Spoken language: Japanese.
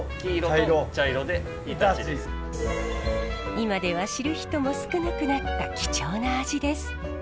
今では知る人も少なくなった貴重な味です。